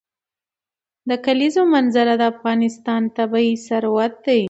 د کلیزو منظره د افغانستان طبعي ثروت دی.